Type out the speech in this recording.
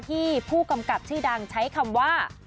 ที่ผู้กำกับชื่อดังใช้คำว่า